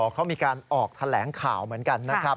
เขามีการออกแถลงข่าวเหมือนกันนะครับ